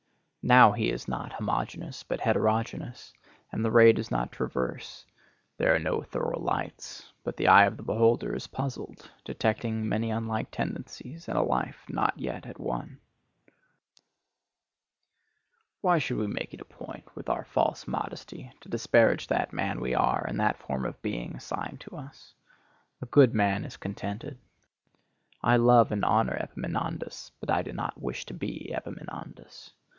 Now he is not homogeneous, but heterogeneous, and the ray does not traverse; there are no thorough lights, but the eye of the beholder is puzzled, detecting many unlike tendencies and a life not yet at one. Why should we make it a point with our false modesty to disparage that man we are and that form of being assigned to us? A good man is contented. I love and honor Epaminondas, but I do not wish to be Epaminondas.